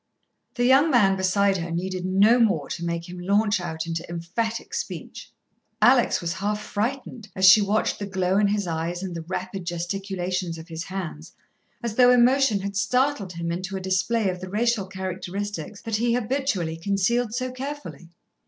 The young man beside her needed no more to make him launch out into emphatic speech. Alex was half frightened, as she watched the glow in his eyes and the rapid gesticulations of his hands, as though emotion had startled him into a display of the racial characteristics that he habitually concealed so carefully.